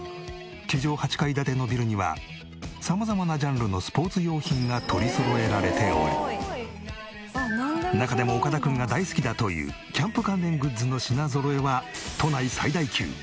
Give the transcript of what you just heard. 地上８階建てのビルには様々なジャンルのスポーツ用品が取りそろえられており中でも岡田君が大好きだというキャンプ関連グッズの品ぞろえは都内最大級。